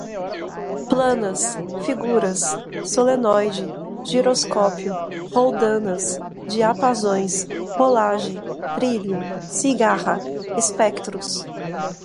planas, figuras, solenoide, giroscópio, roldanas, diapasões, rolagem, trilho, cigarra, espectros